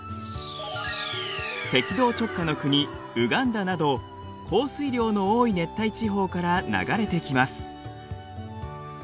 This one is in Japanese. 赤道直下の国ウガンダなど降水量の多い熱帯地方から流れてきます。